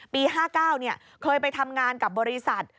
๕๙เคยไปทำงานกับบริษัท